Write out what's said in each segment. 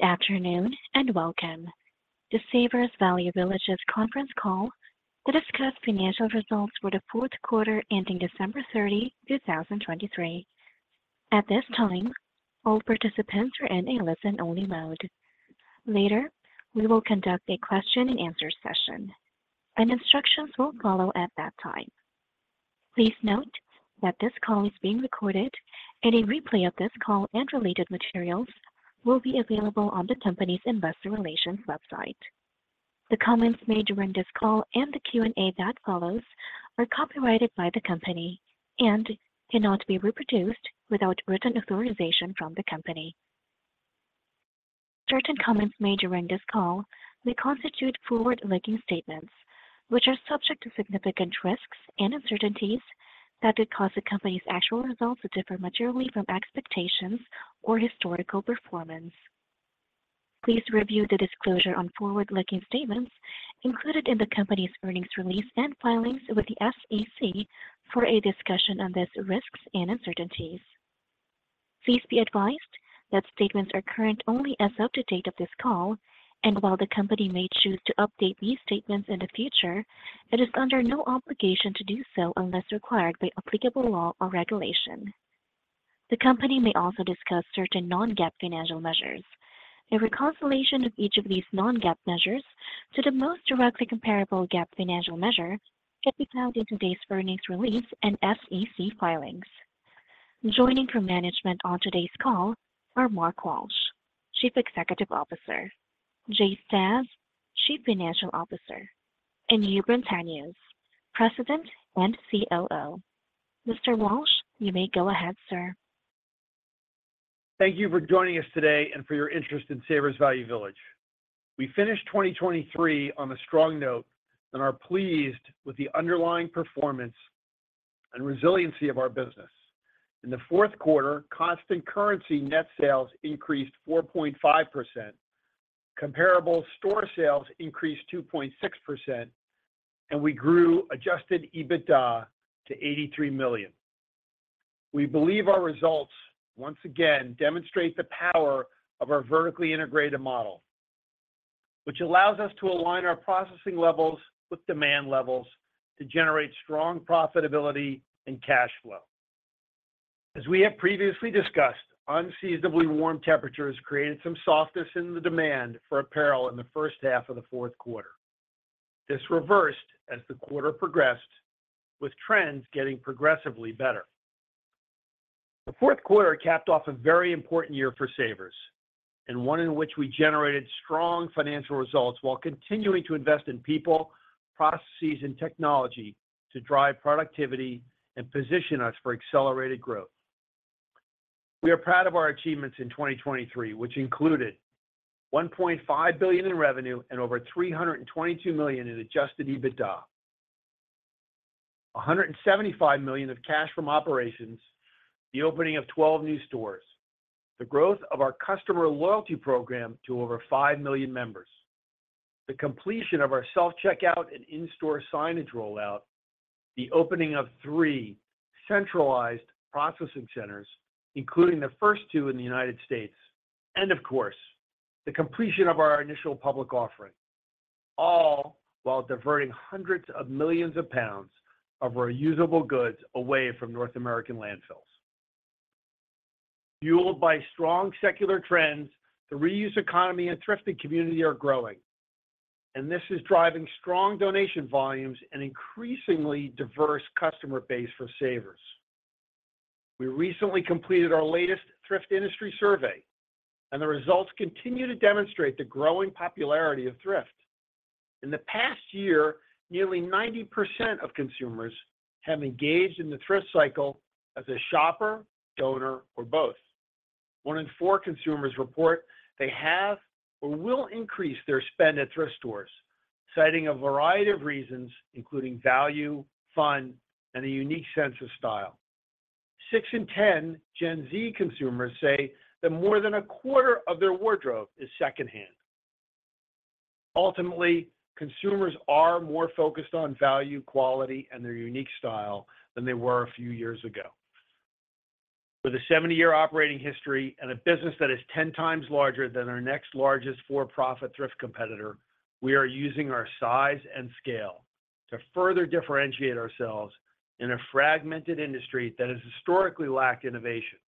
Good afternoon and welcome to Savers Value Village's conference call to discuss financial results for the fourth quarter ending December 30, 2023. At this time, all participants are in a listen-only mode. Later, we will conduct a question and answer session, and instructions will follow at that time. Please note that this call is being recorded, and a replay of this call and related materials will be available on the company's investor relations website. The comments made during this call and the Q&A that follows are copyrighted by the company and cannot be reproduced without written authorization from the company. Certain comments made during this call may constitute forward-looking statements, which are subject to significant risks and uncertainties that could cause the company's actual results to differ materially from expectations or historical performance. Please review the disclosure on forward-looking statements included in the company's earnings release and filings with the SEC for a discussion on these risks and uncertainties. Please be advised that statements are current only as of the date of this call, and while the company may choose to update these statements in the future, it is under no obligation to do so unless required by applicable law or regulation. The company may also discuss certain non-GAAP financial measures. A reconciliation of each of these non-GAAP measures to the most directly comparable GAAP financial measure can be found in today's earnings release and SEC filings. Joining from management on today's call are Mark Walsh, Chief Executive Officer, Jay Stasz, Chief Financial Officer, and Jubran Tanious, President and COO. Mr. Walsh, you may go ahead, sir. Thank you for joining us today and for your interest in Savers Value Village. We finished 2023 on a strong note and are pleased with the underlying performance and resiliency of our business. In the fourth quarter, constant currency net sales increased 4.5%, comparable store sales increased 2.6%, and we grew Adjusted EBITDA to $83 million. We believe our results once again demonstrate the power of our vertically integrated model, which allows us to align our processing levels with demand levels to generate strong profitability and cash flow. As we have previously discussed, unseasonably warm temperatures created some softness in the demand for apparel in the first half of the fourth quarter. This reversed as the quarter progressed, with trends getting progressively better. The fourth quarter capped off a very important year for Savers and one in which we generated strong financial results while continuing to invest in people, processes, and technology to drive productivity and position us for accelerated growth. We are proud of our achievements in 2023, which included $1.5 billion in revenue and over $322 million in Adjusted EBITDA. $175 million of cash from operations, the opening of 12 new stores, the growth of our customer loyalty program to over 5 million members, the completion of our self-checkout and in-store signage rollout, the opening of three centralized processing centers, including the first two in the United States, and of course, the completion of our initial public offering, all while diverting hundreds of millions of pounds of reusable goods away from North American landfills. Fueled by strong secular trends, the reuse economy and thrifting community are growing, and this is driving strong donation volumes and increasingly diverse customer base for Savers. We recently completed our latest thrift industry survey, and the results continue to demonstrate the growing popularity of thrift. In the past year, nearly 90% of consumers have engaged in the thrift cycle as a shopper, donor, or both. One in four consumers report they have or will increase their spend at thrift stores, citing a variety of reasons, including value, fun, and a unique sense of style. Six in ten Gen Z consumers say that more than a quarter of their wardrobe is secondhand. Ultimately, consumers are more focused on value, quality, and their unique style than they were a few years ago. With a 70-year operating history and a business that is 10 times larger than our next largest for-profit thrift competitor, we are using our size and scale to further differentiate ourselves in a fragmented industry that has historically lacked innovation.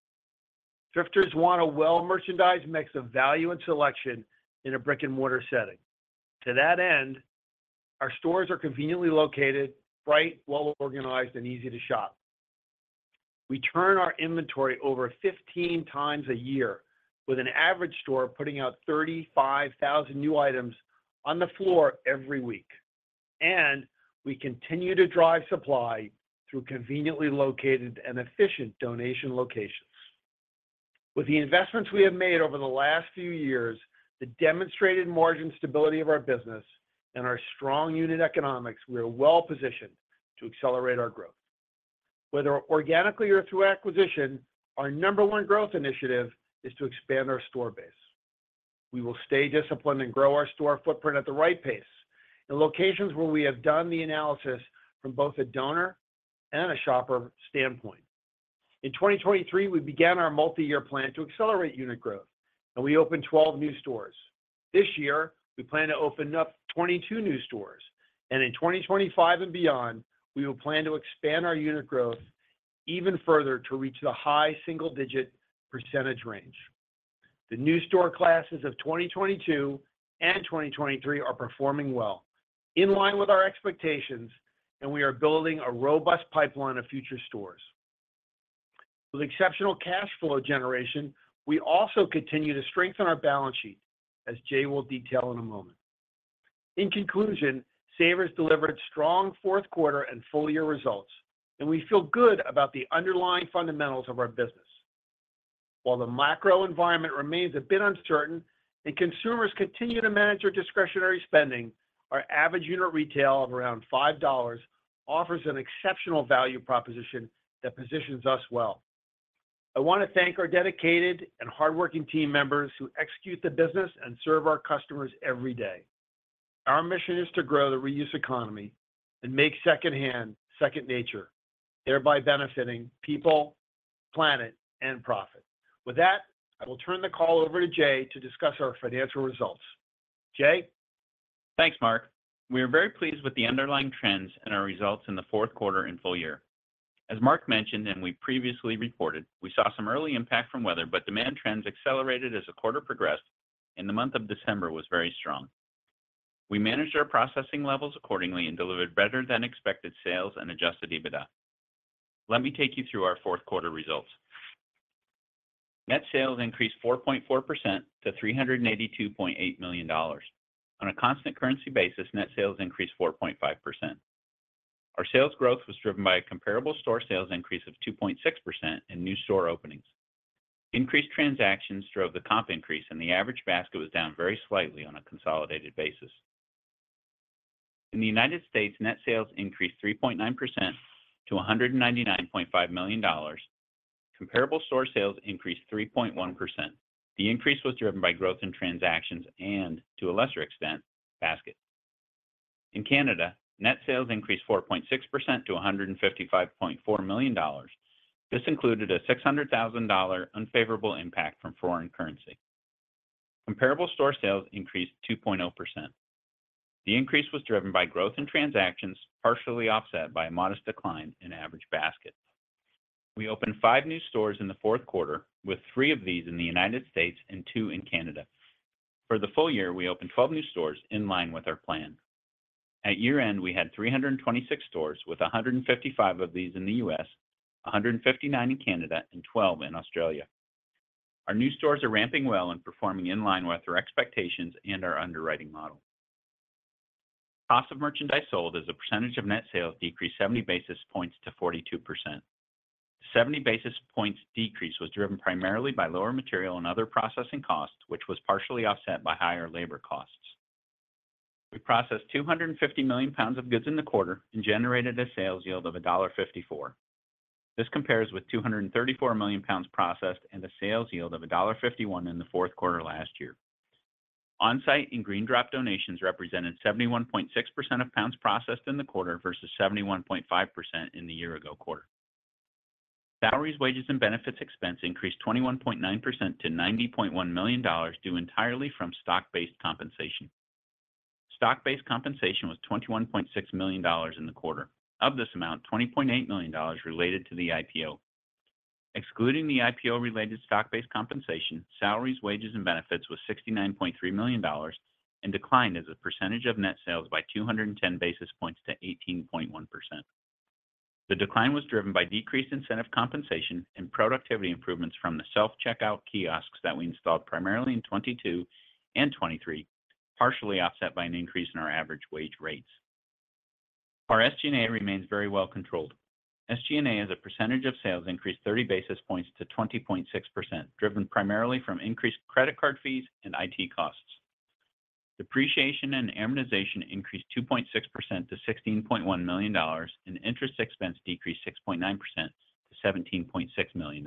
Thrifters want a well-merchandised mix of value and selection in a brick-and-mortar setting. To that end, our stores are conveniently located, bright, well organized, and easy to shop. We turn our inventory over 15 times a year, with an average store putting out 35,000 new items on the floor every week, and we continue to drive supply through conveniently located and efficient donation locations. With the investments we have made over the last few years, the demonstrated margin stability of our business, and our strong unit economics, we are well positioned to accelerate our growth. Whether organically or through acquisition, our number one growth initiative is to expand our store base. We will stay disciplined and grow our store footprint at the right pace in locations where we have done the analysis from both a donor and a shopper standpoint. In 2023, we began our multi-year plan to accelerate unit growth, and we opened 12 new stores. This year, we plan to open up 22 new stores, and in 2025 and beyond, we will plan to expand our unit growth even further to reach the high single-digit percentage range. The new store classes of 2022 and 2023 are performing well, in line with our expectations, and we are building a robust pipeline of future stores. With exceptional cash flow generation, we also continue to strengthen our balance sheet, as Jay will detail in a moment. In conclusion, Savers delivered strong fourth quarter and full year results, and we feel good about the underlying fundamentals of our business. While the macro environment remains a bit uncertain and consumers continue to manage their discretionary spending, our average unit retail of around $5 offers an exceptional value proposition that positions us well. I want to thank our dedicated and hardworking team members who execute the business and serve our customers every day. Our mission is to grow the reuse economy and make second hand second nature, thereby benefiting people, planet, and profit. With that, I will turn the call over to Jay to discuss our financial results. Jay? Thanks, Mark. We are very pleased with the underlying trends and our results in the fourth quarter and full year. As Mark mentioned and we previously reported, we saw some early impact from weather, but demand trends accelerated as the quarter progressed, and the month of December was very strong. We managed our processing levels accordingly and delivered better-than-expected sales and adjusted EBITDA. Let me take you through our fourth quarter results. Net sales increased 4.4% to $382.8 million. On a constant currency basis, net sales increased 4.5%. Our sales growth was driven by a comparable store sales increase of 2.6% and new store openings. Increased transactions drove the comp increase, and the average basket was down very slightly on a consolidated basis. In the United States, net sales increased 3.9% to $199.5 million. Comparable store sales increased 3.1%. The increase was driven by growth in transactions and, to a lesser extent, basket. In Canada, net sales increased 4.6% to $155.4 million. This included a $600,000 unfavorable impact from foreign currency. Comparable store sales increased 2.0%. The increase was driven by growth in transactions, partially offset by a modest decline in average basket. We opened 5 new stores in the fourth quarter, with 3 of these in the United States and 2 in Canada. For the full year, we opened 12 new stores in line with our plan. At year-end, we had 326 stores, with 155 of these in the U.S., 159 in Canada, and 12 in Australia. Our new stores are ramping well and performing in line with our expectations and our underwriting model. Cost of merchandise sold as a percentage of net sales decreased 70 basis points to 42%. 70 basis points decrease was driven primarily by lower material and other processing costs, which was partially offset by higher labor costs. We processed 250 million pounds of goods in the quarter and generated a sales yield of $1.54. This compares with 234 million pounds processed and a sales yield of $1.51 in the fourth quarter last year. On-site and GreenDrop donations represented 71.6% of pounds processed in the quarter versus 71.5% in the year ago quarter. Salaries, wages, and benefits expense increased 21.9% to $90.1 million, due entirely from stock-based compensation. Stock-based compensation was $21.6 million in the quarter. Of this amount, $20.8 million related to the IPO. Excluding the IPO-related stock-based compensation, salaries, wages, and benefits was $69.3 million and declined as a percentage of net sales by 210 basis points to 18.1%. The decline was driven by decreased incentive compensation and productivity improvements from the self-checkout kiosks that we installed primarily in 2022 and 2023, partially offset by an increase in our average wage rates. Our SG&A remains very well controlled. SG&A, as a percentage of sales, increased 30 basis points to 20.6%, driven primarily from increased credit card fees and IT costs. Depreciation and amortization increased 2.6% to $16.1 million, and interest expense decreased 6.9% to $17.6 million.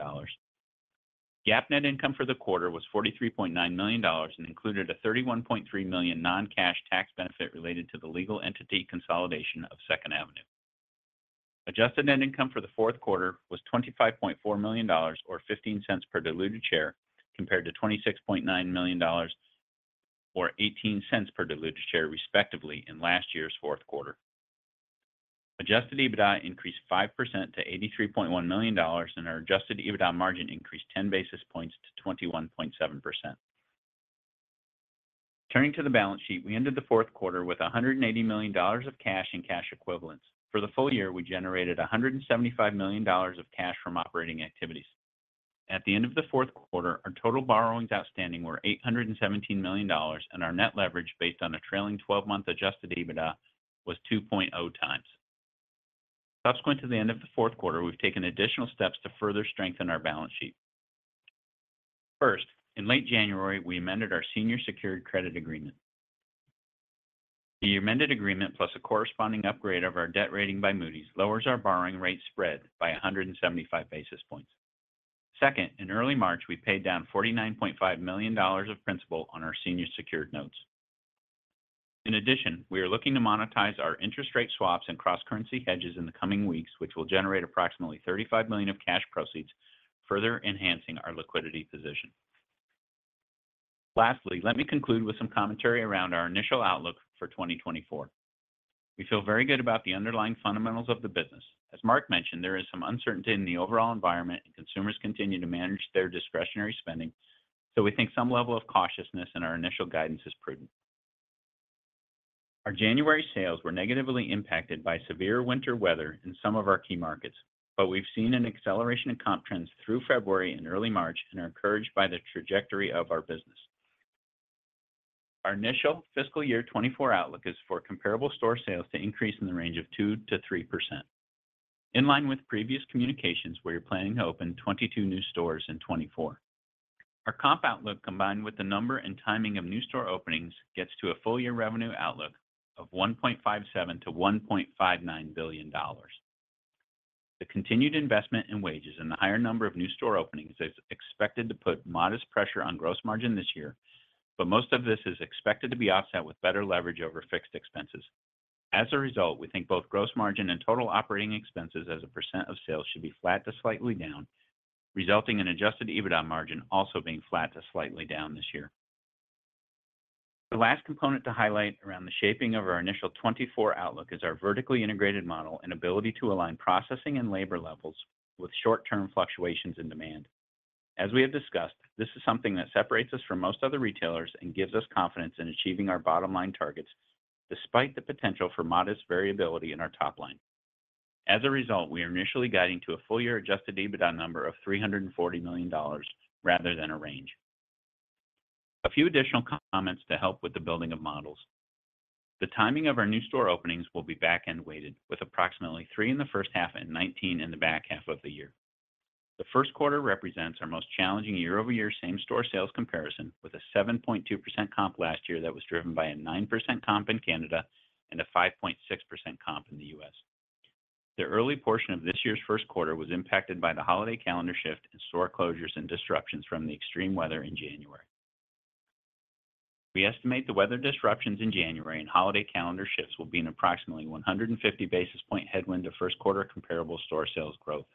GAAP net income for the quarter was $43.9 million and included a $31.3 million non-cash tax benefit related to the legal entity consolidation of 2nd Ave. Adjusted net income for the fourth quarter was $25.4 million or $0.15 per diluted share, compared to $26.9 million or $0.18 per diluted share, respectively, in last year's fourth quarter. Adjusted EBITDA increased 5% to $83.1 million, and our adjusted EBITDA margin increased 10 basis points to 21.7%. Turning to the balance sheet, we ended the fourth quarter with $180 million of cash and cash equivalents. For the full year, we generated $175 million of cash from operating activities. At the end of the fourth quarter, our total borrowings outstanding were $817 million, and our net leverage, based on a trailing twelve-month Adjusted EBITDA, was 2.0 times. Subsequent to the end of the fourth quarter, we've taken additional steps to further strengthen our balance sheet. First, in late January, we amended our senior secured credit agreement. The amended agreement, plus a corresponding upgrade of our debt rating by Moody's, lowers our borrowing rate spread by 175 basis points. Second, in early March, we paid down $49.5 million of principal on our senior secured notes. In addition, we are looking to monetize our interest rate swaps and cross-currency hedges in the coming weeks, which will generate approximately $35 million of cash proceeds, further enhancing our liquidity position. Lastly, let me conclude with some commentary around our initial outlook for 2024. We feel very good about the underlying fundamentals of the business. As Mark mentioned, there is some uncertainty in the overall environment, and consumers continue to manage their discretionary spending, so we think some level of cautiousness in our initial guidance is prudent. Our January sales were negatively impacted by severe winter weather in some of our key markets, but we've seen an acceleration in comp trends through February and early March and are encouraged by the trajectory of our business. Our initial fiscal year 2024 outlook is for comparable store sales to increase in the range of 2%-3%. In line with previous communications, we are planning to open 22 new stores in 2024. Our comp outlook, combined with the number and timing of new store openings, gets to a full-year revenue outlook of $1.57 billion-$1.59 billion. The continued investment in wages and the higher number of new store openings is expected to put modest pressure on gross margin this year, but most of this is expected to be offset with better leverage over fixed expenses. As a result, we think both gross margin and total operating expenses as a % of sales should be flat to slightly down, resulting in Adjusted EBITDA margin also being flat to slightly down this year. The last component to highlight around the shaping of our initial 2024 outlook is our vertically integrated model and ability to align processing and labor levels with short-term fluctuations in demand. As we have discussed, this is something that separates us from most other retailers and gives us confidence in achieving our bottom line targets despite the potential for modest variability in our top line. As a result, we are initially guiding to a full year Adjusted EBITDA number of $340 million rather than a range. A few additional comments to help with the building of models. The timing of our new store openings will be back-end weighted, with approximately 3 in the first half and 19 in the back half of the year. The first quarter represents our most challenging year-over-year same-store sales comparison, with a 7.2% comp last year that was driven by a 9% comp in Canada and a 5.6% comp in the U.S. The early portion of this year's first quarter was impacted by the holiday calendar shift and store closures and disruptions from the extreme weather in January. We estimate the weather disruptions in January and holiday calendar shifts will be an approximately 150 basis point headwind to first quarter comparable store sales growth.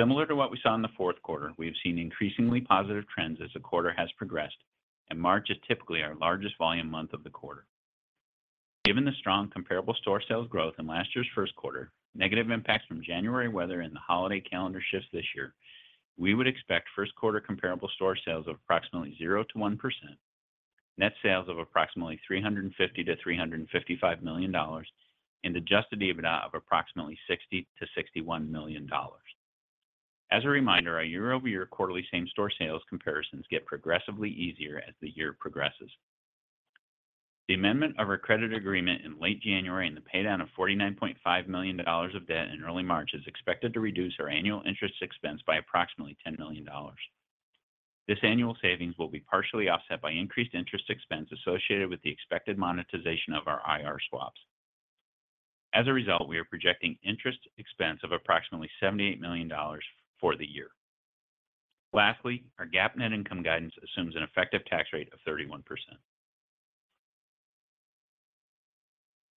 Similar to what we saw in the fourth quarter, we have seen increasingly positive trends as the quarter has progressed, and March is typically our largest volume month of the quarter. Given the strong comparable store sales growth in last year's first quarter, negative impacts from January weather and the holiday calendar shifts this year, we would expect first quarter comparable store sales of approximately 0%-1%, net sales of approximately $350 million-$355 million, and adjusted EBITDA of approximately $60 million-$61 million. As a reminder, our year-over-year quarterly same-store sales comparisons get progressively easier as the year progresses. The amendment of our credit agreement in late January and the paydown of $49.5 million of debt in early March is expected to reduce our annual interest expense by approximately $10 million. This annual savings will be partially offset by increased interest expense associated with the expected monetization of our IR swaps. As a result, we are projecting interest expense of approximately $78 million for the year. Lastly, our GAAP net income guidance assumes an effective tax rate of 31%.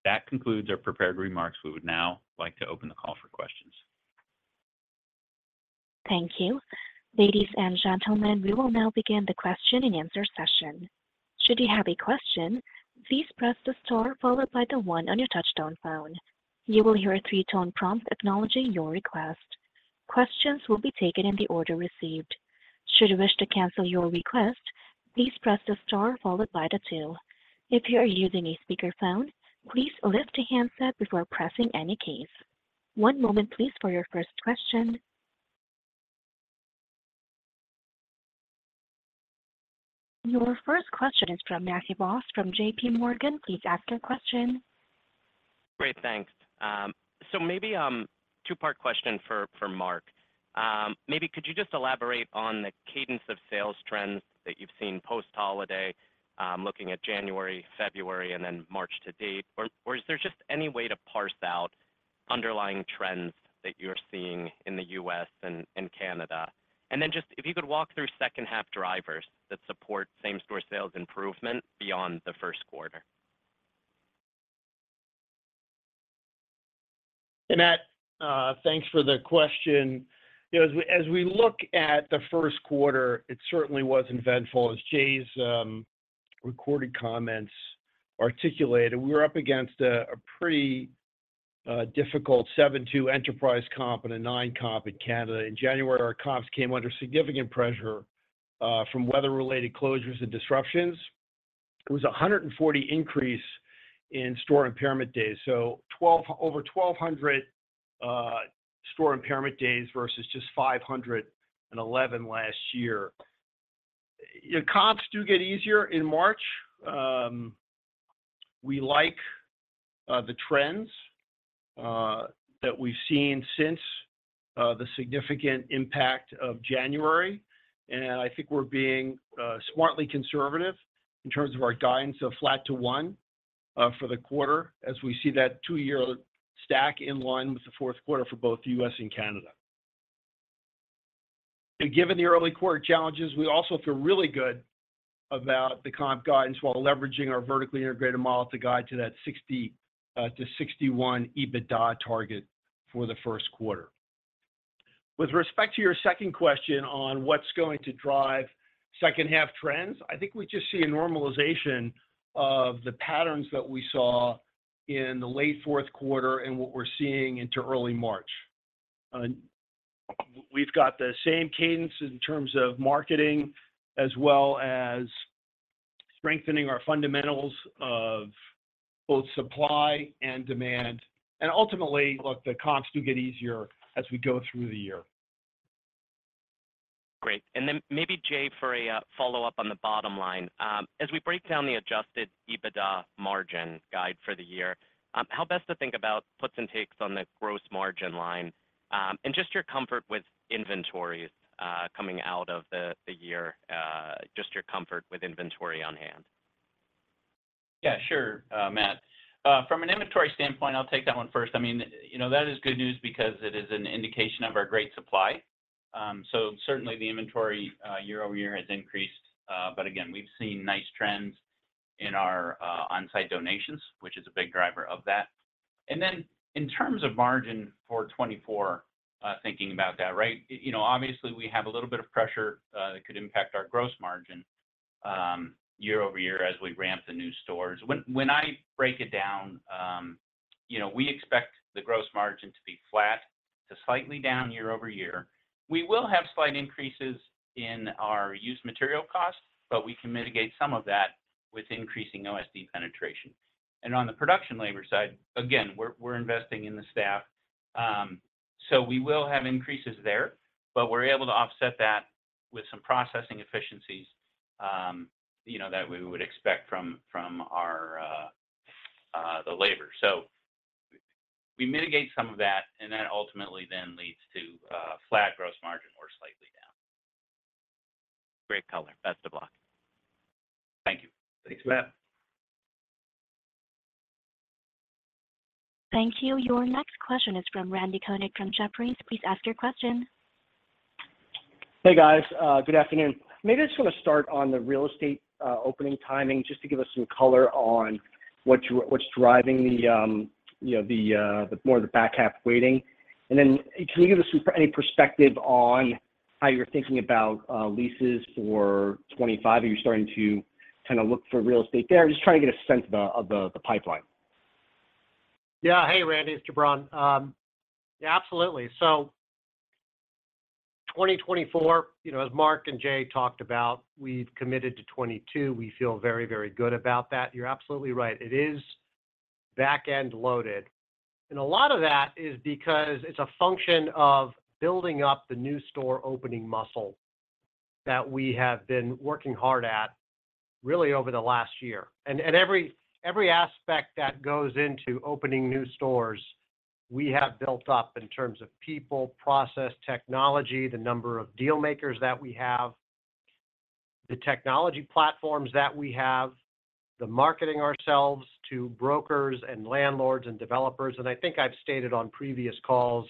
That concludes our prepared remarks. We would now like to open the call for questions. Thank you. Ladies and gentlemen, we will now begin the question-and-answer session. Should you have a question, please press the star followed by the one on your touchtone phone. You will hear a three-tone prompt acknowledging your request. Questions will be taken in the order received. Should you wish to cancel your request, please press the star followed by the two. If you are using a speakerphone, please lift the handset before pressing any keys. One moment, please, for your first question. Your first question is from Matthew Boss, from JPMorgan. Please ask your question. Great, thanks. So maybe, two-part question for, for Mark. Maybe could you just elaborate on the cadence of sales trends that you've seen post-holiday, looking at January, February, and then March to date? Or, is there just any way to parse out underlying trends that you're seeing in the U.S. and, Canada? And then just if you could walk through second half drivers that support same-store sales improvement beyond the first quarter. Hey, Matt, thanks for the question. You know, as we, as we look at the first quarter, it certainly was eventful. As Jay's recorded comments articulated, we were up against a pretty difficult 7.2 enterprise comp and a comp in Canada. In January, our comps came under significant pressure from weather-related closures and disruptions. It was a 140 increase in store impairment days, so over 1,200 store impairment days versus just 511 last year. Your comps do get easier in March. We like the trends that we've seen since the significant impact of January, and I think we're being smartly conservative in terms of our guidance of flat to 1% for the quarter, as we see that two-year stack in line with the fourth quarter for both the U.S. and Canada.... And given the early quarter challenges, we also feel really good about the comp guidance, while leveraging our vertically integrated model to guide to that 60, to 61 EBITDA target for the first quarter. With respect to your second question on what's going to drive second half trends, I think we just see a normalization of the patterns that we saw in the late fourth quarter and what we're seeing into early March. We've got the same cadence in terms of marketing, as well as strengthening our fundamentals of both supply and demand. And ultimately, look, the comps do get easier as we go through the year. Great. And then maybe Jay, for a follow-up on the bottom line. As we break down the Adjusted EBITDA margin guide for the year, how best to think about puts and takes on the gross margin line? And just your comfort with inventories, coming out of the year, just your comfort with inventory on hand. Yeah, sure, Matt. From an inventory standpoint, I'll take that one first. I mean, you know, that is good news because it is an indication of our great supply. So certainly, the inventory year-over-year has increased. But again, we've seen nice trends in our on-site donations, which is a big driver of that. And then, in terms of margin for 2024, thinking about that, right? You know, obviously, we have a little bit of pressure that could impact our gross margin year-over-year as we ramp the new stores. When, when I break it down, you know, we expect the gross margin to be flat to slightly down year-over-year. We will have slight increases in our used material costs, but we can mitigate some of that with increasing OSD penetration. On the production labor side, again, we're investing in the staff, so we will have increases there, but we're able to offset that with some processing efficiencies, you know, that we would expect from our labor. So we mitigate some of that, and that ultimately then leads to flat gross margin or slightly down. Great color. Best of luck. Thank you. Thanks, Matt. Thank you. Your next question is from Randy Konik from Jefferies. Please ask your question. Hey, guys, good afternoon. Maybe I just wanna start on the real estate, opening timing, just to give us some color on what's driving the, you know, the more of the back half weighting. And then, can you give us any perspective on how you're thinking about leases for 2025? Are you starting to kind of look for real estate there? I'm just trying to get a sense of the pipeline. Yeah. Hey, Randy, it's Jubran. Yeah, absolutely. So 2024, you know, as Mark and Jay talked about, we've committed to 22. We feel very, very good about that. You're absolutely right. It is back-end loaded, and a lot of that is because it's a function of building up the new store opening muscle that we have been working hard at, really over the last year. And every aspect that goes into opening new stores, we have built up in terms of people, process, technology, the number of deal makers that we have, the technology platforms that we have, the marketing ourselves to brokers and landlords and developers. And I think I've stated on previous calls,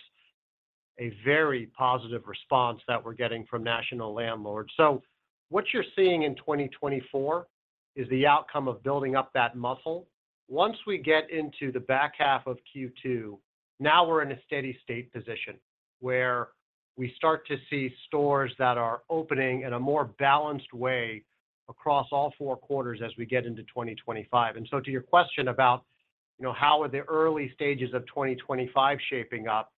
a very positive response that we're getting from national landlords. So what you're seeing in 2024 is the outcome of building up that muscle. Once we get into the back half of Q2, now we're in a steady state position, where we start to see stores that are opening in a more balanced way across all four quarters as we get into 2025. And so to your question about, you know, how are the early stages of 2025 shaping up?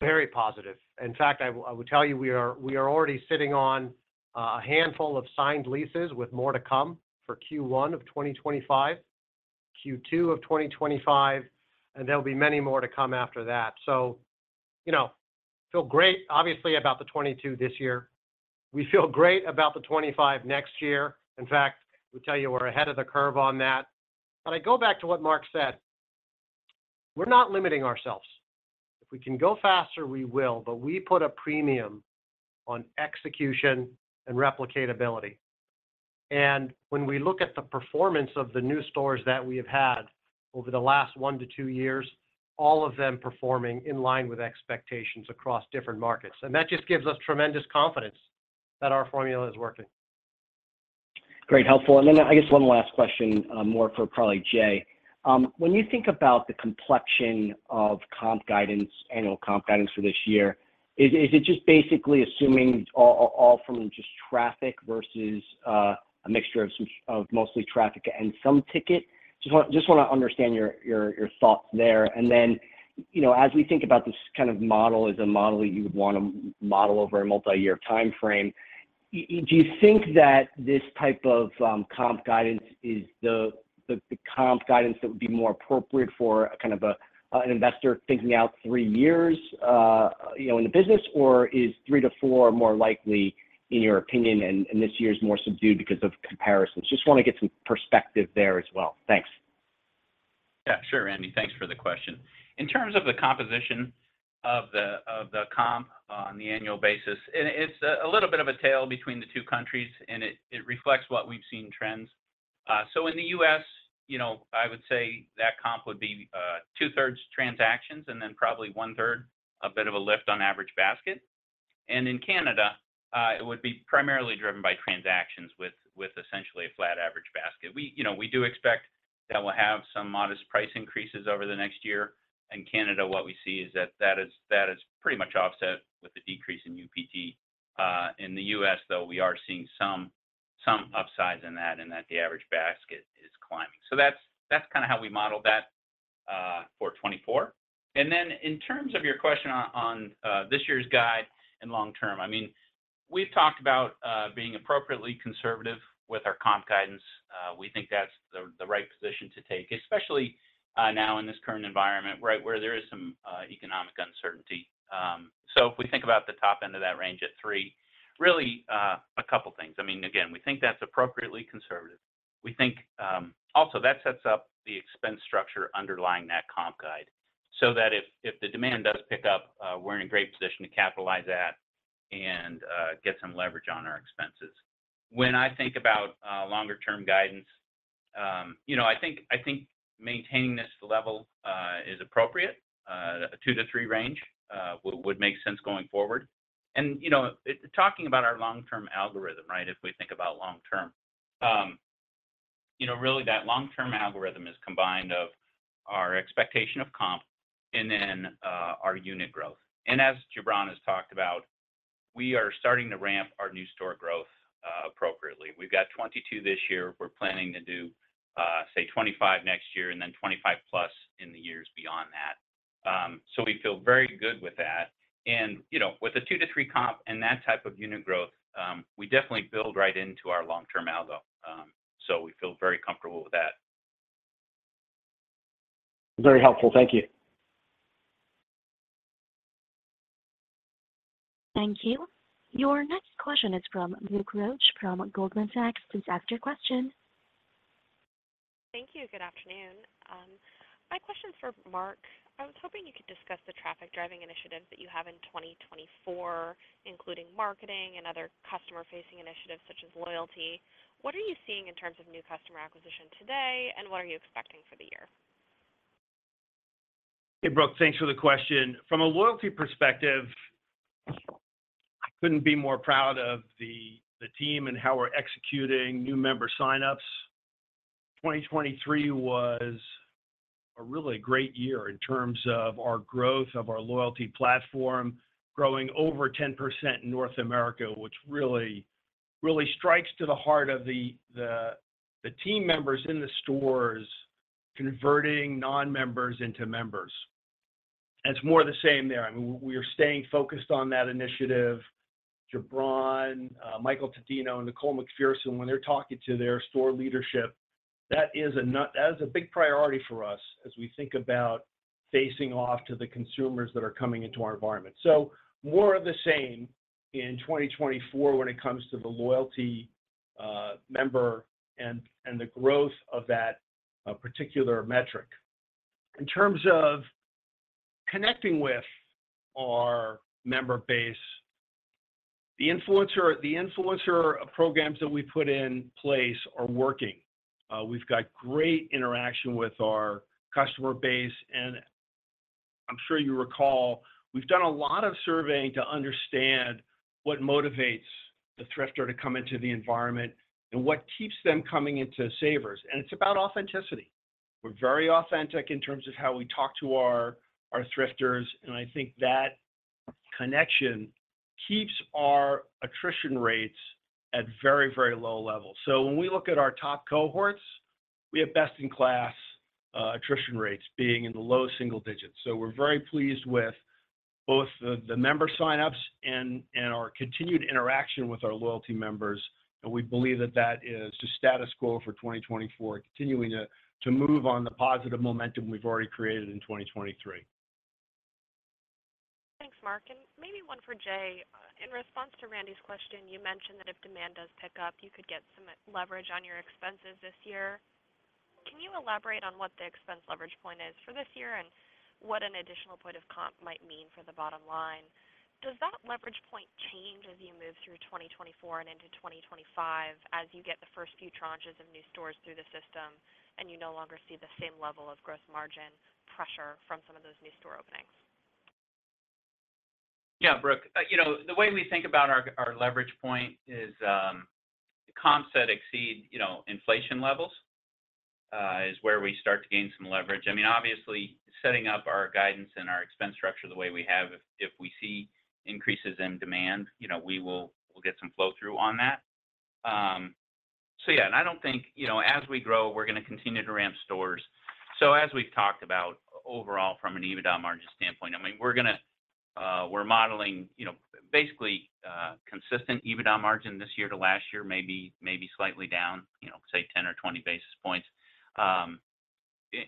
Very positive. In fact, I would tell you, we are, we are already sitting on a handful of signed leases with more to come for Q1 of 2025, Q2 of 2025, and there'll be many more to come after that. So, you know, feel great, obviously, about the 22 this year. We feel great about the 25 next year. In fact, we tell you, we're ahead of the curve on that. But I go back to what Mark said, we're not limiting ourselves. If we can go faster, we will, but we put a premium on execution and replicability. And when we look at the performance of the new stores that we have had over the last 1-2 years, all of them performing in line with expectations across different markets. And that just gives us tremendous confidence that our formula is working. Great, helpful. And then, I guess one last question, more for probably Jay. When you think about the complexion of comp guidance, annual comp guidance for this year, is it just basically assuming all from just traffic versus a mixture of some of mostly traffic and some ticket? Just want, just wanna understand your thoughts there. And then, you know, as we think about this kind of model as a model that you would wanna model over a multi-year timeframe, do you think that this type of comp guidance is the comp guidance that would be more appropriate for a kind of an investor thinking out three years, you know, in the business? Or is three to four more likely, in your opinion, and this year is more subdued because of comparisons? Just wanna get some perspective there as well. Thanks. Yeah, sure, Randy, thanks for the question. In terms of the composition of the comp on the annual basis, and it's a little bit of a tale between the two countries, and it reflects what we've seen trends. So in the US, you know, I would say that comp would be two-thirds transactions and then probably one-third a bit of a lift on average basket. And in Canada, it would be primarily driven by transactions with essentially a flat average basket. We, you know, we do expect that we'll have some modest price increases over the next year. In Canada, what we see is that that is pretty much offset with the decrease in UPT. In the US, though, we are seeing some upsides in that, and that the average basket is climbing. So that's, that's kinda how we model that, for 2024. And then in terms of your question on, this year's guide and long term, I mean, we've talked about, being appropriately conservative with our comp guidance. We think that's the right position to take, especially, now in this current environment, right, where there is some economic uncertainty. So if we think about the top end of that range at three, really, a couple of things. I mean, again, we think that's appropriately conservative. We think, also that sets up the expense structure underlying that comp guide, so that if the demand does pick up, we're in a great position to capitalize that and, get some leverage on our expenses. When I think about longer-term guidance, you know, I think, I think maintaining this level is appropriate. A 2-3 range would make sense going forward. And, you know, talking about our long-term algorithm, right, if we think about long term, you know, really, that long-term algorithm is combined of our expectation of comp and then our unit growth. And as Jubran has talked about, we are starting to ramp our new store growth appropriately. We've got 22 this year. We're planning to do, say, 25 next year and then 25+ in the years beyond that. So we feel very good with that. And, you know, with a 2-3 comp and that type of unit growth, we definitely build right into our long-term algo. So we feel very comfortable with that. Very helpful. Thank you. Thank you. Your next question is from Brooke Roach, from Goldman Sachs. Please ask your question. Thank you. Good afternoon. My question is for Mark. I was hoping you could discuss the traffic-driving initiatives that you have in 2024, including marketing and other customer-facing initiatives such as loyalty. What are you seeing in terms of new customer acquisition today, and what are you expecting for the year? Hey, Brooke, thanks for the question. From a loyalty perspective, I couldn't be more proud of the team and how we're executing new member sign-ups. 2023 was a really great year in terms of our growth of our loyalty platform, growing over 10% in North America, which really, really strikes to the heart of the team members in the stores, converting non-members into members. And it's more of the same there. I mean, we are staying focused on that initiative. Jubran, Michael Totino, and Nicole McPherson, when they're talking to their store leadership, that is a big priority for us as we think about facing off to the consumers that are coming into our environment. So more of the same in 2024 when it comes to the loyalty member and the growth of that particular metric. In terms of connecting with our member base, the influencer, the influencer programs that we put in place are working. We've got great interaction with our customer base, and I'm sure you recall, we've done a lot of surveying to understand what motivates the thrifter to come into the environment and what keeps them coming into Savers. And it's about authenticity. We're very authentic in terms of how we talk to our, our thrifters, and I think that connection keeps our attrition rates at very, very low levels. So when we look at our top cohorts, we have best-in-class, attrition rates being in the low single digits. So we're very pleased with both the member sign-ups and our continued interaction with our loyalty members, and we believe that that is the status quo for 2024, continuing to move on the positive momentum we've already created in 2023. Thanks, Mark, and maybe one for Jay. In response to Randy's question, you mentioned that if demand does pick up, you could get some leverage on your expenses this year. Can you elaborate on what the expense leverage point is for this year, and what an additional point of comp might mean for the bottom line? Does that leverage point change as you move through 2024 and into 2025, as you get the first few tranches of new stores through the system, and you no longer see the same level of gross margin pressure from some of those new store openings? Yeah, Brooke. You know, the way we think about our leverage point is comp sales exceed, you know, inflation levels is where we start to gain some leverage. I mean, obviously, setting up our guidance and our expense structure the way we have, if we see increases in demand, you know, we will-- we'll get some flow-through on that. So yeah, and I don't think, you know, as we grow, we're gonna continue to ramp stores. So as we've talked about overall from an EBITDA margin standpoint, I mean, we're gonna-- we're modeling, you know, basically consistent EBITDA margin this year to last year, maybe slightly down, you know, say 10 or 20 basis points.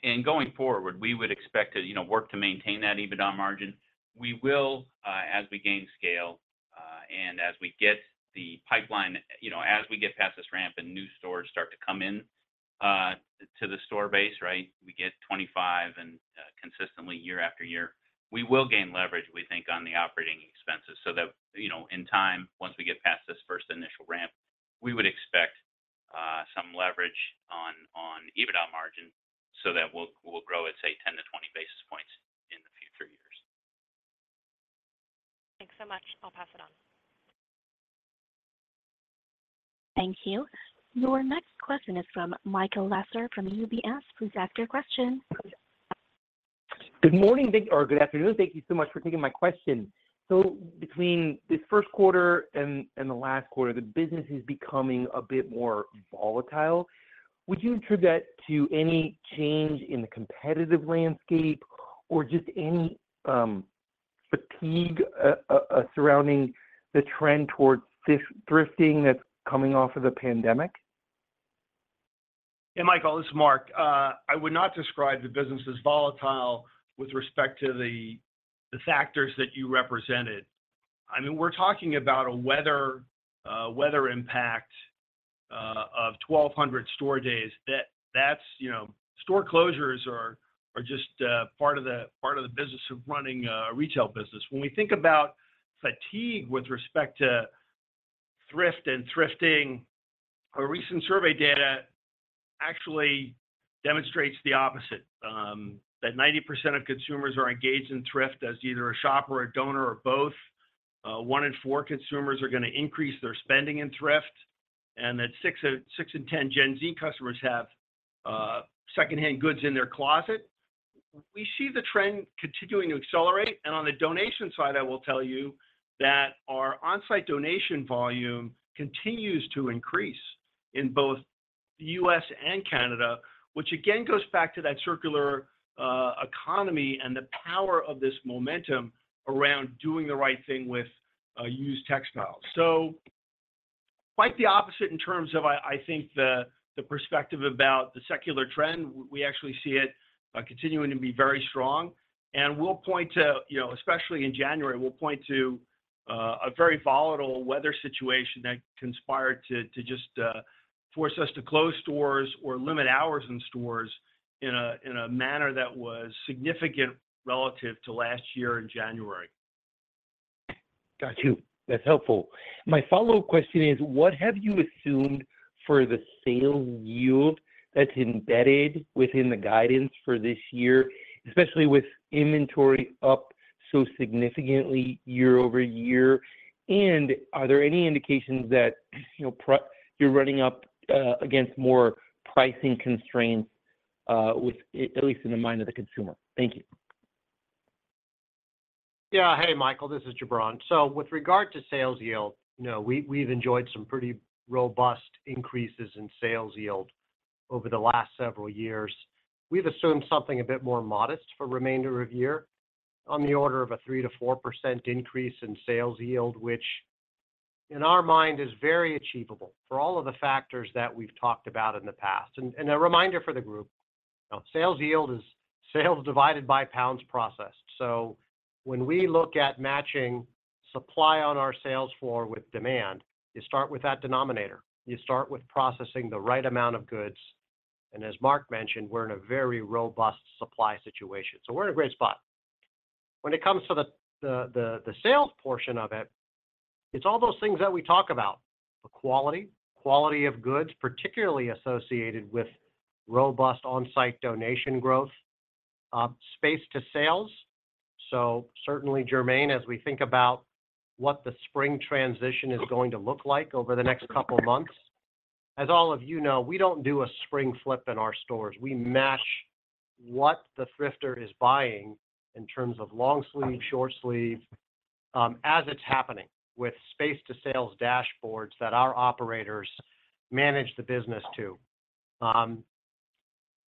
And going forward, we would expect to, you know, work to maintain that EBITDA margin. We will, as we gain scale, and as we get the pipeline, you know, as we get past this ramp and new stores start to come in, to the store base, right? We get 25 consistently year after year. We will gain leverage, we think, on the operating expenses, so that, you know, in time, once we get past this first initial ramp, we would expect, some leverage on EBITDA margin, so that we'll grow at, say, 10-20 basis points in the future years. Thanks so much. I'll pass it on. Thank you. Your next question is from Michael Lasser from UBS. Please ask your question. Good morning, thanks, or good afternoon. Thank you so much for taking my question. So between the first quarter and the last quarter, the business is becoming a bit more volatile. Would you attribute that to any change in the competitive landscape or just any fatigue surrounding the trend towards thrifting that's coming off of the pandemic? Hey, Michael, this is Mark. I would not describe the business as volatile with respect to the factors that you represented. I mean, we're talking about a weather impact of 1,200 store days. That's, you know, store closures are just part of the business of running a retail business. When we think about fatigue with respect to thrift and thrifting, our recent survey data actually demonstrates the opposite, that 90% of consumers are engaged in thrift as either a shopper, a donor, or both. One in four consumers are gonna increase their spending in thrift, and that six in ten Gen Z customers have secondhand goods in their closet. We see the trend continuing to accelerate, and on the donation side, I will tell you that our on-site donation volume continues to increase in both the U.S. and Canada, which again, goes back to that circular economy and the power of this momentum around doing the right thing with used textiles. So quite the opposite in terms of, I think, the perspective about the secular trend. We actually see it continuing to be very strong, and we'll point to, you know, especially in January, we'll point to a very volatile weather situation that conspired to just force us to close stores or limit hours in stores in a manner that was significant relative to last year in January. Got you. That's helpful. My follow-up question is, what have you assumed for the sales yield that's embedded within the guidance for this year, especially with inventory up so significantly year over year? Are there any indications that, you know, you're running up against more pricing constraints with at least in the mind of the consumer? Thank you. Yeah. Hey, Michael, this is Jubran. So with regard to sales yield, you know, we, we've enjoyed some pretty robust increases in sales yield over the last several years. We've assumed something a bit more modest for remainder of year, on the order of a 3%-4% increase in sales yield, which, in our mind, is very achievable for all of the factors that we've talked about in the past. And a reminder for the group, sales yield is sales divided by pounds processed. So when we look at matching supply on our sales floor with demand, you start with that denominator. You start with processing the right amount of goods, and as Mark mentioned, we're in a very robust supply situation, so we're in a great spot. When it comes to the sales portion of it, it's all those things that we talk about. The quality of goods, particularly associated with robust on-site donation growth, space to sales. So certainly, Germaine, as we think about what the spring transition is going to look like over the next couple of months. As all of you know, we don't do a spring flip in our stores. We match what the thrifter is buying in terms of long sleeve, short sleeve, as it's happening, with space to sales dashboards that our operators manage the business to.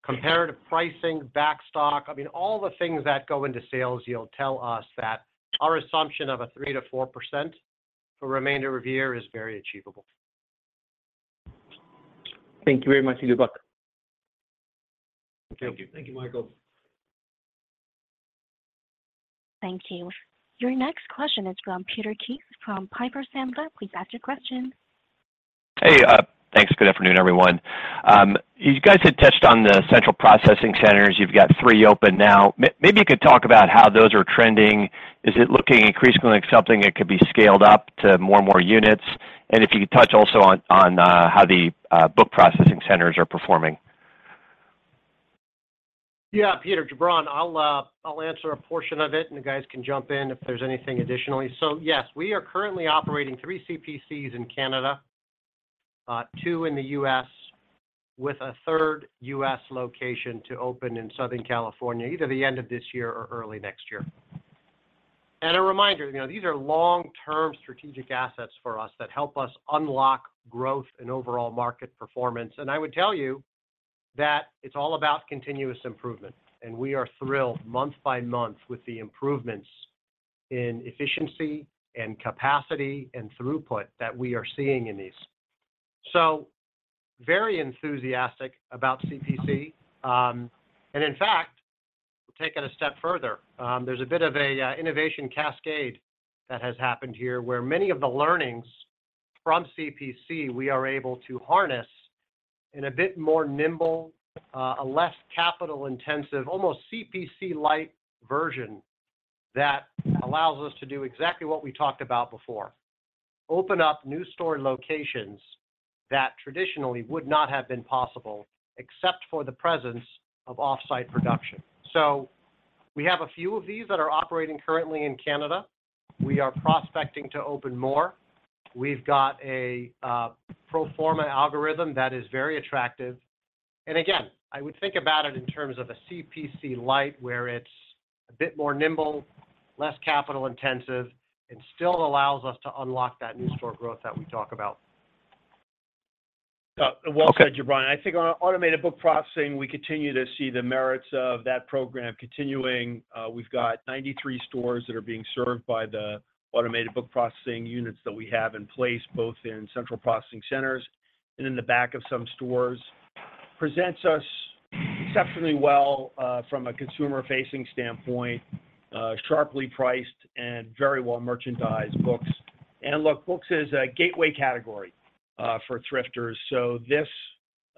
Comparative pricing, back stock, I mean, all the things that go into sales yield tell us that our assumption of a 3%-4% for remainder of the year is very achievable. Thank you very much. I yield back. Thank you. Thank you, Michael. Thank you. Your next question is from Peter Keith, from Piper Sandler. Please ask your question. Hey, thanks. Good afternoon, everyone. You guys had touched on the central processing centers. You've got three open now. Maybe you could talk about how those are trending. Is it looking increasingly like something that could be scaled up to more and more units? And if you could touch also on how the book processing centers are performing. Yeah, Peter, Jubran, I'll, I'll answer a portion of it, and you guys can jump in if there's anything additionally. So yes, we are currently operating three CPCs in Canada, two in the U.S., with a third U.S. location to open in Southern California, either the end of this year or early next year. A reminder, you know, these are long-term strategic assets for us that help us unlock growth and overall market performance. I would tell you that it's all about continuous improvement, and we are thrilled month by month with the improvements in efficiency and capacity and throughput that we are seeing in these. Very enthusiastic about CPC. In fact, we'll take it a step further. There's a bit of a innovation cascade that has happened here, where many of the learnings from CPC, we are able to harness-... and a bit more nimble, a less capital-intensive, almost CPC-like version that allows us to do exactly what we talked about before, open up new store locations that traditionally would not have been possible except for the presence of offsite production. So we have a few of these that are operating currently in Canada. We are prospecting to open more. We've got a pro forma algorithm that is very attractive. And again, I would think about it in terms of a CPC light, where it's a bit more nimble, less capital intensive, and still allows us to unlock that new store growth that we talk about. Well said, Jubran. I think on our automated book processing, we continue to see the merits of that program continuing. We've got 93 stores that are being served by the automated book processing units that we have in place, both in central processing centers and in the back of some stores. Presents us exceptionally well, from a consumer-facing standpoint, sharply priced and very well merchandised books. And look, books is a gateway category, for thrifters, so this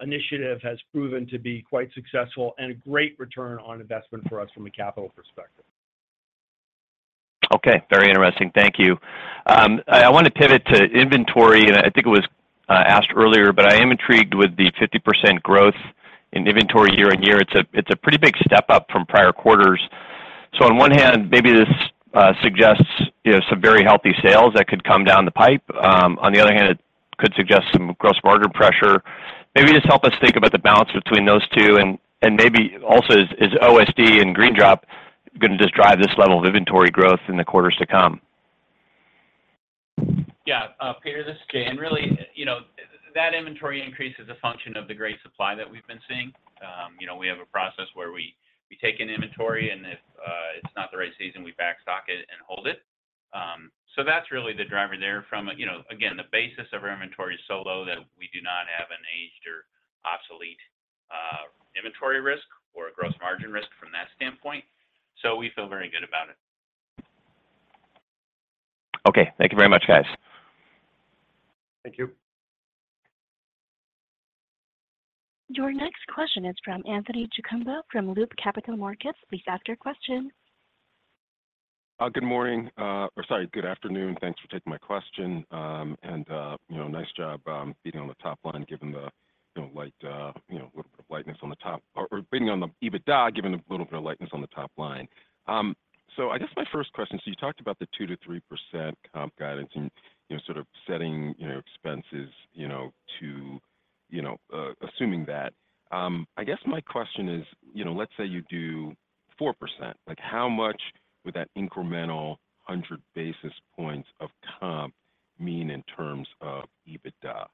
initiative has proven to be quite successful and a great return on investment for us from a capital perspective. Okay, very interesting. Thank you. I wanna pivot to inventory, and I think it was asked earlier, but I am intrigued with the 50% growth in inventory year-over-year. It's a pretty big step up from prior quarters. So on one hand, maybe this suggests, you know, some very healthy sales that could come down the pipe. On the other hand, it could suggest some gross margin pressure. Maybe just help us think about the balance between those two, and maybe also, is OSD and GreenDrop gonna just drive this level of inventory growth in the quarters to come? Yeah, Peter, this is Jay. And really, you know, that inventory increase is a function of the great supply that we've been seeing. You know, we have a process where we take an inventory, and if it's not the right season, we backstock it and hold it. So that's really the driver there from a... You know, again, the basis of our inventory is so low that we do not have an aged or obsolete inventory risk or a gross margin risk from that standpoint, so we feel very good about it. Okay. Thank you very much, guys. Thank you. Your next question is from Anthony Chukumba from Loop Capital Markets. Please ask your question. Good morning, or sorry, good afternoon. Thanks for taking my question. And, you know, nice job, beating on the top line, given the, you know, light, you know, little bit of lightness on the top or, or beating on the EBITDA, given the little bit of lightness on the top line. So I guess my first question, so you talked about the 2%-3% comp guidance and, you know, sort of setting, you know, expenses, you know, to, you know, assuming that. I guess my question is, you know, let's say you do 4%, like, how much would that incremental 100 basis points of comp mean in terms of EBITDA?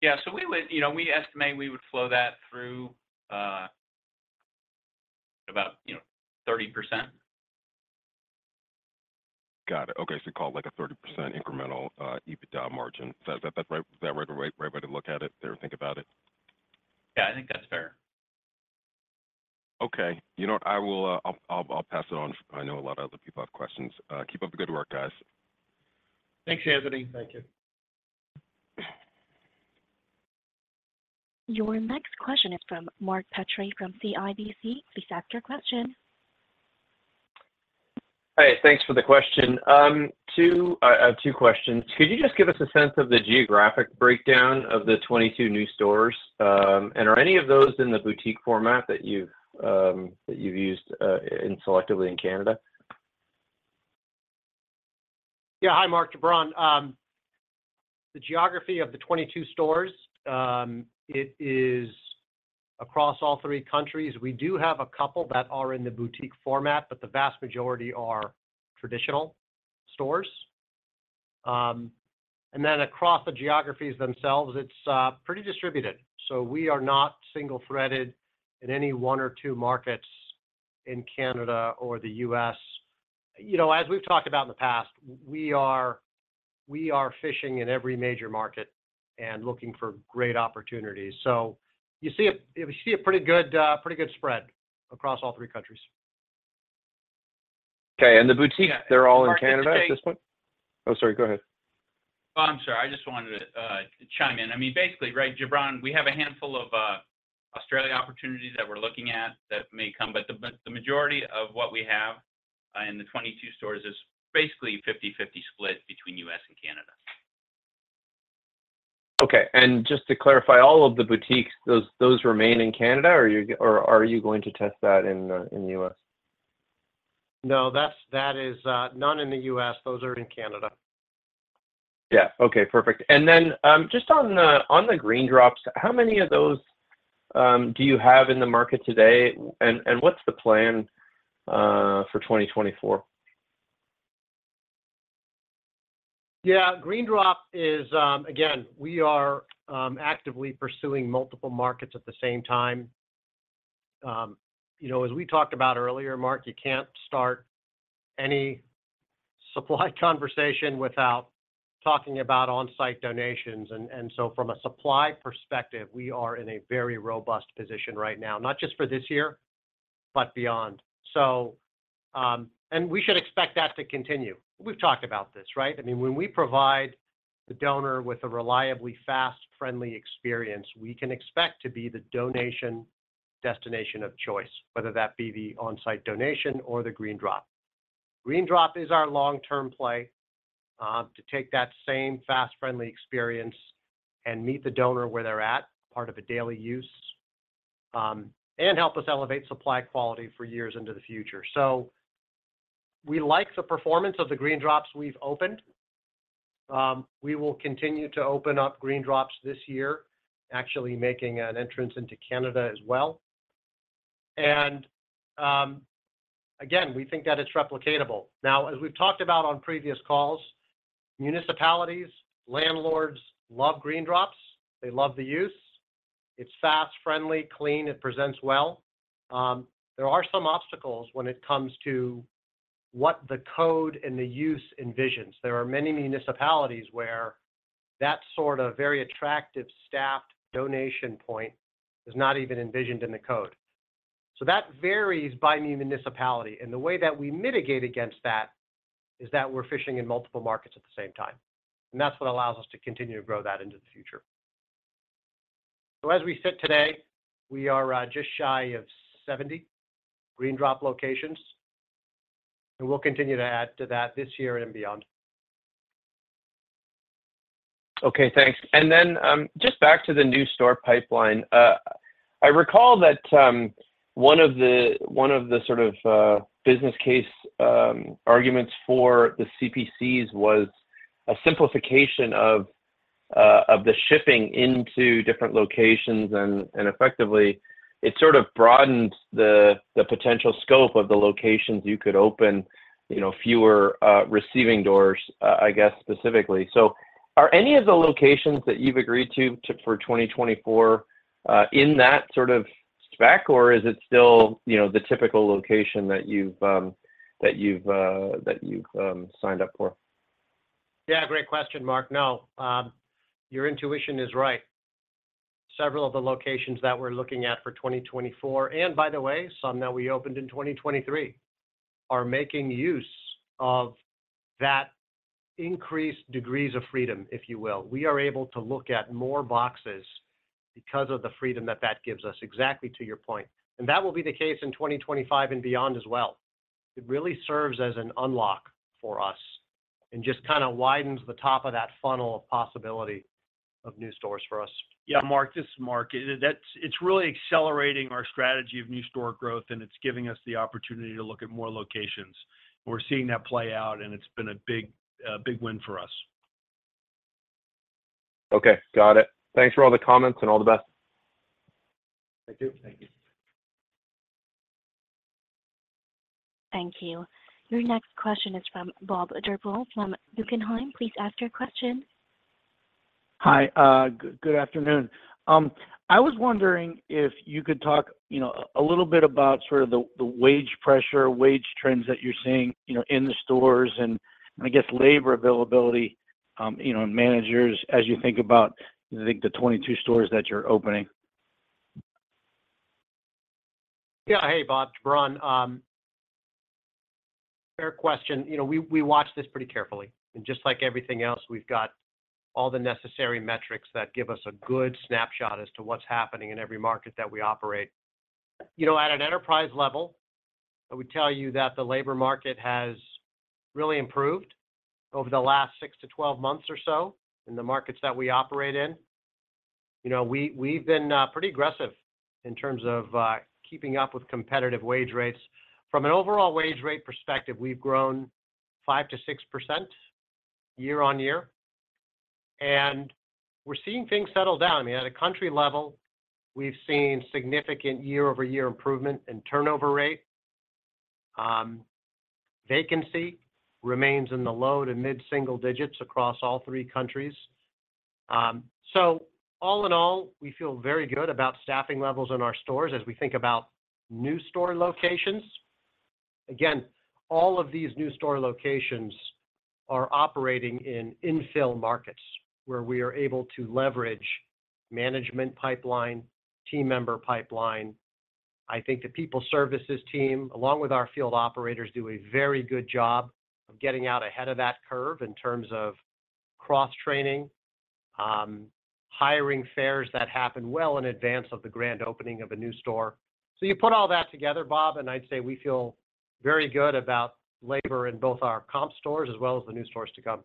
Yeah, so we would... You know, we estimate we would flow that through, about, you know, 30%. Got it. Okay, so call it, like, a 30% incremental EBITDA margin. Is that, that right? Is that right, right way to look at it or think about it? Yeah, I think that's fair. Okay. You know what? I will, I'll pass it on. I know a lot of other people have questions. Keep up the good work, guys. Thanks, Anthony. Thank you. Your next question is from Mark Petrie from CIBC. Please ask your question. Hi, thanks for the question. Too, I have two questions. Could you just give us a sense of the geographic breakdown of the 22 new stores? And are any of those in the boutique format that you've used selectively in Canada? Yeah. Hi, Mark, Jubran. The geography of the 22 stores, it is across all three countries. We do have a couple that are in the boutique format, but the vast majority are traditional stores. And then across the geographies themselves, it's pretty distributed. So we are not single-threaded in any one or two markets in Canada or the U.S. You know, as we've talked about in the past, we are fishing in every major market and looking for great opportunities. So you see a pretty good spread across all three countries. Okay. And the boutiques- Yeah... they're all in Canada at this point? Oh, sorry, go ahead. Oh, I'm sorry. I just wanted to, chime in. I mean, basically, right, Jubran, we have a handful of, Australia opportunities that we're looking at that may come, but the, but the majority of what we have, in the 22 stores is basically 50/50 split between U.S. and Canada. Okay. And just to clarify, all of the boutiques, those remain in Canada, or are you going to test that in the U.S.? No, that is none in the U.S. Those are in Canada. Yeah. Okay, perfect. And then, just on the GreenDrop, how many of those do you have in the market today, and what's the plan for 2024? Yeah, GreenDrop is, again, we are actively pursuing multiple markets at the same time. You know, as we talked about earlier, Mark, you can't start any supply conversation without talking about on-site donations. And, and so from a supply perspective, we are in a very robust position right now, not just for this year but beyond. So, and we should expect that to continue. We've talked about this, right? I mean, when we provide the donor with a reliably fast, friendly experience, we can expect to be the donation destination of choice, whether that be the on-site donation or the GreenDrop. GreenDrop is our long-term play, to take that same fast, friendly experience and meet the donor where they're at, part of a daily use, and help us elevate supply quality for years into the future. So we like the performance of the GreenDrop we've opened. We will continue to open up GreenDrop this year, actually making an entrance into Canada as well. And, again, we think that it's replicatable. Now, as we've talked about on previous calls, municipalities, landlords love GreenDrop. They love the use. It's fast, friendly, clean, it presents well. There are some obstacles when it comes to what the code and the use envisions. There are many municipalities where that sort of very attractive staffed donation point is not even envisioned in the code. So that varies by municipality, and the way that we mitigate against that is that we're fishing in multiple markets at the same time, and that's what allows us to continue to grow that into the future. As we sit today, we are just shy of 70 GreenDrop locations, and we'll continue to add to that this year and beyond. Okay, thanks. Then, just back to the new store pipeline. I recall that one of the sort of business case arguments for the CPCs was a simplification of the shipping into different locations, and effectively, it sort of broadened the potential scope of the locations you could open, you know, fewer receiving doors, I guess, specifically. So are any of the locations that you've agreed to for 2024 in that sort of spec, or is it still, you know, the typical location that you've signed up for? Yeah, great question, Mark. No, your intuition is right. Several of the locations that we're looking at for 2024, and by the way, some that we opened in 2023, are making use of that increased degrees of freedom, if you will. We are able to look at more boxes because of the freedom that that gives us, exactly to your point. And that will be the case in 2025 and beyond as well. It really serves as an unlock for us and just kinda widens the top of that funnel of possibility of new stores for us. Yeah, Mark, this is Mark. It's really accelerating our strategy of new store growth, and it's giving us the opportunity to look at more locations. We're seeing that play out, and it's been a big, a big win for us. Okay, got it. Thanks for all the comments, and all the best. Thank you. Thank you. Thank you. Your next question is from Bob Drbul from Guggenheim. Please ask your question. Hi, good, good afternoon. I was wondering if you could talk, you know, a little bit about sort of the wage pressure, wage trends that you're seeing, you know, in the stores and I guess labor availability, you know, and managers, as you think about, I think the 22 stores that you're opening. Yeah. Hey, Bob Drbul, Jubran. Fair question. You know, we, we watch this pretty carefully, and just like everything else, we've got all the necessary metrics that give us a good snapshot as to what's happening in every market that we operate. You know, at an enterprise level, I would tell you that the labor market has really improved over the last 6-12 months or so in the markets that we operate in. You know, we, we've been pretty aggressive in terms of keeping up with competitive wage rates. From an overall wage rate perspective, we've grown 5%-6% year-on-year, and we're seeing things settle down. I mean, at a country level, we've seen significant year-over-year improvement in turnover rate. Vacancy remains in the low- to mid-single digits across all three countries. So all in all, we feel very good about staffing levels in our stores as we think about new store locations. Again, all of these new store locations are operating in infill markets, where we are able to leverage management pipeline, team member pipeline. I think the people services team, along with our field operators, do a very good job of getting out ahead of that curve in terms of cross-training, hiring fairs that happen well in advance of the grand opening of a new store. So you put all that together, Bob, and I'd say we feel very good about labor in both our comp stores as well as the new stores to come.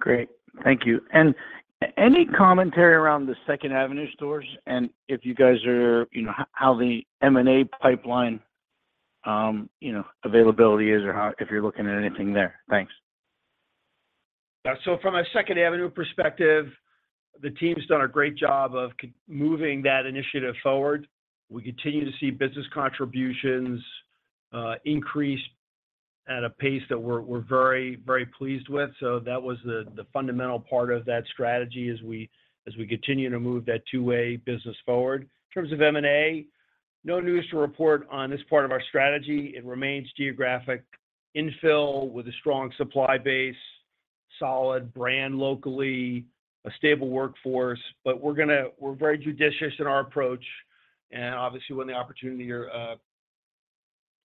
Great. Thank you. And any commentary around the Second Avenue stores, and if you guys are... You know, how the M&A pipeline, you know, availability is, or how, if you're looking at anything there? Thanks. Yeah. So from a Second Avenue perspective, the team's done a great job of moving that initiative forward. We continue to see business contributions increase at a pace that we're very, very pleased with. So that was the fundamental part of that strategy as we continue to move that two-way business forward. In terms of M&A, no news to report on this part of our strategy. It remains geographic infill with a strong supply base.... solid brand locally, a stable workforce, but we're gonna. We're very judicious in our approach, and obviously, when the opportunity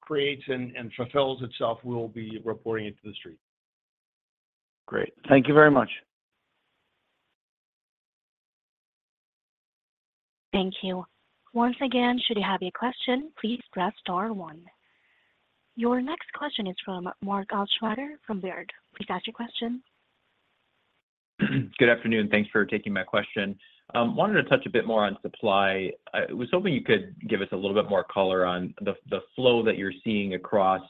creates and fulfills itself, we'll be reporting it to the street. Great. Thank you very much. Thank you. Once again, should you have a question, please press star one. Your next question is from Mark Altschwager from Baird. Please ask your question. Good afternoon. Thanks for taking my question. Wanted to touch a bit more on supply. I was hoping you could give us a little bit more color on the flow that you're seeing across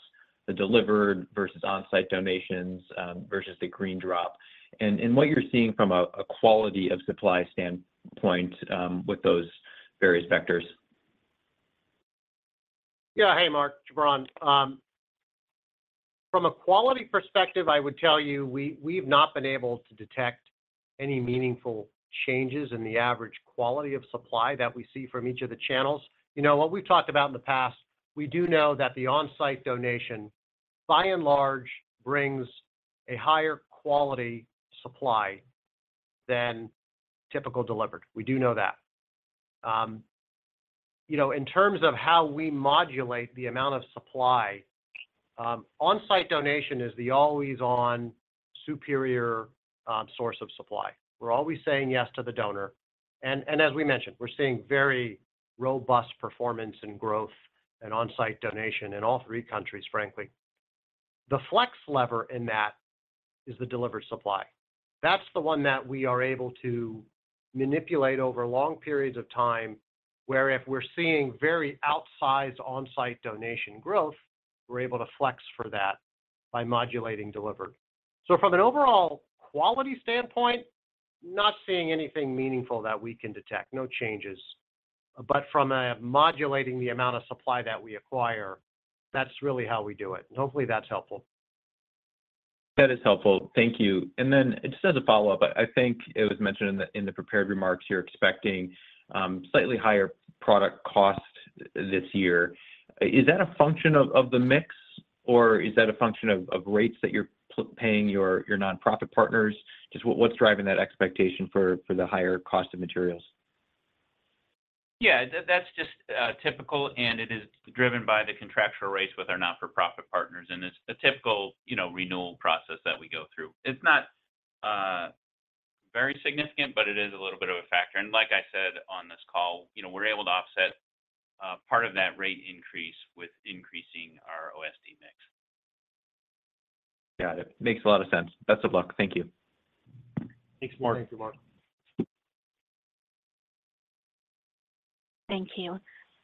the delivered versus on-site donations versus the GreenDrop. And what you're seeing from a quality of supply standpoint with those various vectors. Yeah. Hey, Mark, it's Jubran. From a quality perspective, I would tell you, we, we've not been able to detect any meaningful changes in the average quality of supply that we see from each of the channels. You know, what we've talked about in the past, we do know that the on-site donation, by and large, brings a higher quality supply than typical delivered. We do know that. You know, in terms of how we modulate the amount of supply, on-site donation is the always on superior source of supply. We're always saying yes to the donor. And as we mentioned, we're seeing very robust performance and growth and on-site donation in all three countries, frankly. The flex lever in that is the delivered supply. That's the one that we are able to manipulate over long periods of time, where if we're seeing very outsized on-site donation growth, we're able to flex for that by modulating delivered. So from an overall quality standpoint, not seeing anything meaningful that we can detect. No changes. But from a modulating the amount of supply that we acquire, that's really how we do it. Hopefully, that's helpful. That is helpful. Thank you. Then just as a follow-up, I think it was mentioned in the prepared remarks, you're expecting slightly higher product costs this year. Is that a function of the mix, or is that a function of rates that you're paying your nonprofit partners? Just what's driving that expectation for the higher cost of materials? Yeah, that's just typical, and it is driven by the contractual rates with our not-for-profit partners, and it's a typical, you know, renewal process that we go through. It's not very significant, but it is a little bit of a factor. And like I said on this call, you know, we're able to offset part of that rate increase with increasing our OSD mix. Got it. Makes a lot of sense. Best of luck. Thank you. Thanks, Mark. Thank you, Mark. Thank you.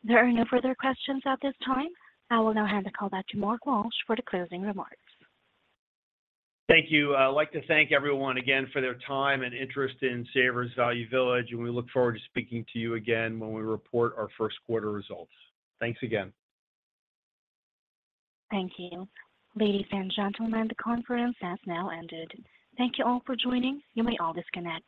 There are no further questions at this time. I will now hand the call back to Mark Walsh for the closing remarks. Thank you. I'd like to thank everyone again for their time and interest in Savers Value Village, and we look forward to speaking to you again when we report our first quarter results. Thanks again. Thank you. Ladies and gentlemen, the conference has now ended. Thank you all for joining. You may all disconnect.